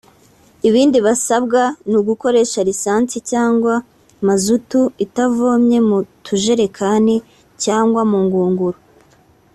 Ibindi basabwa ni ugukoresha lisansi cyangwa mazutu itavomwe mu tujerekani cyangwa mu ngunguru